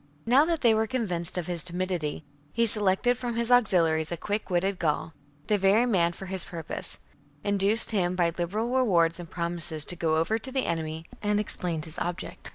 1 8. Now that they were convinced of his timidity, he selected from his auxiliaries a quick witted Gaul, the very man for his purpose, induced him by liberal rewards and promises to go over to the enemy, and explained his object.